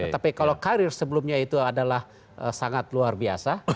tapi kalau karir sebelumnya itu adalah sangat luar biasa